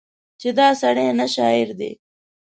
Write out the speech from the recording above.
چې دا سړی نه شاعر دی